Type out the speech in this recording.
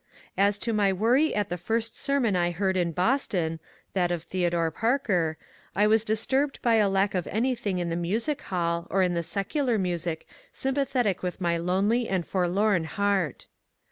As to my worry at the first sermon I heard in Boston, — that of Theodore Parker, — I was disturbed by the lack of anything in the Music Hall or in the secular music sympa thetic with my lonely and forlorn heart.